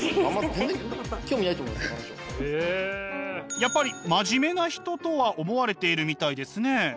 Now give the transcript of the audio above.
やっぱり真面目な人とは思われているみたいですね。